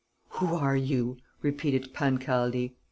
"Who are you?" repeated Pancaldi.